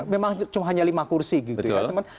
memang hanya lima kursi gitu ya